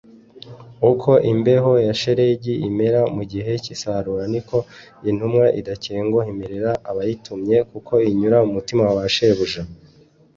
uko imbeho ya shelegi imera mu gihe cy’isarura, ni ko intumwa idatenguha imerera abayitumye, kuko inyura umutima wa ba shebuja